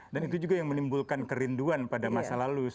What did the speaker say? itu juga yang menimbulkan kerinduan pada masa lalu